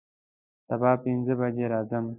سبا پنځه بجې راځم